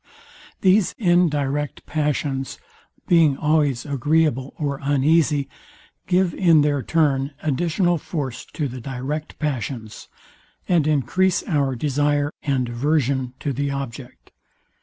These indirect passions, being always agreeable or uneasy, give in their turn additional force to the direct passions, and encrease our desire and aversion to the object.